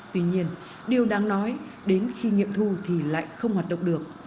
tuy nhiên điều đáng nói đến khi nghiệm thu thì lại không hoạt động được